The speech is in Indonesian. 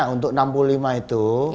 untuk enam puluh lima itu